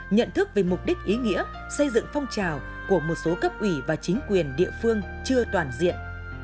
nhận thức về mục đích ý nghĩa xây dựng phong trào của một số cấp ủy và chính quyền địa phương chưa toàn diện